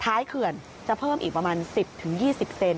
ท้ายเขื่อนจะเพิ่มอีกประมาณ๑๐๒๐เซนติเซนติเซน